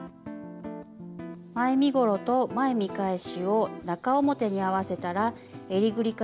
前身ごろと前見返しを中表に合わせたらえりぐりからすそを縫います。